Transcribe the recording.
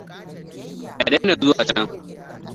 Ka daina zuwa can.